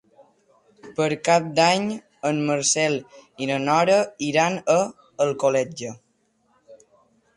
Per Cap d'Any en Marcel i na Nora iran a Alcoletge.